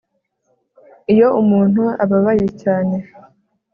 iyo umuntu ababaye cyane